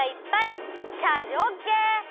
チャージオッケー！